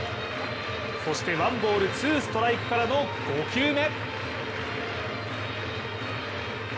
そしてワンボール・ツーストライクからの５球目。